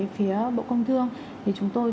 phía bộ công thương chúng tôi